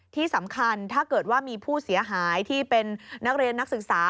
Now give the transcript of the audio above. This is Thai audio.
ที่สำคัญถ้าเกิดว่ามีผู้เสียหายที่เป็นนักเรียนนักศึกษา